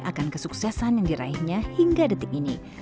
akan kesuksesan yang diraihnya hingga detik ini